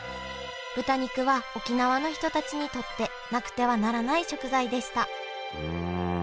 豚肉は沖縄の人たちにとってなくてはならない食材でしたうん。